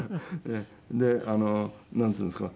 でなんていうんですか？